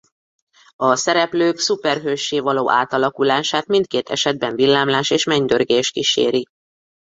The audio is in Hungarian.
A szereplők szuperhőssé való átalakulását mindkét esetben villámlás és mennydörgés kíséri.